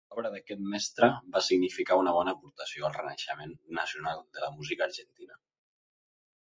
L'obra d'aquest mestre va significar una bona aportació al renaixement nacional de la música argentina.